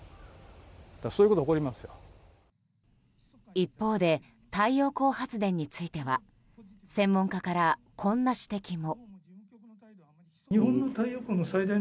一方で、太陽光発電については専門家からこんな指摘も。